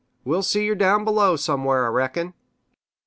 We'll see yer down below, somewhar, I reckon!"